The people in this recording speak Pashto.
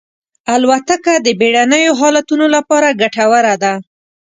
الوتکه د بېړنیو حالتونو لپاره ګټوره ده.